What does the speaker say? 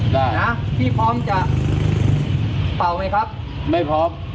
ถึงทางหน้าแล้ว